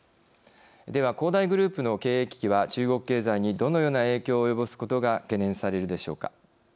では、恒大グループの経営危機は中国経済にどのような影響を及ぼすことが懸念されるでしょうか。